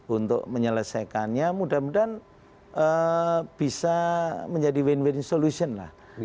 untuk menyelesaikannya mudah mudahan bisa menjadi win win solution lah